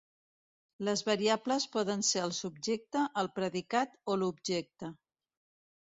Les variables poden ser el subjecte, el predicat o l'objecte.